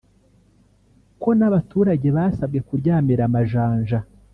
ko n’abaturage basabwe kuryamira amajanja